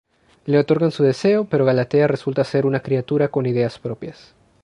Le otorgan su deseo, pero Galatea resulta ser una criatura con ideas propias.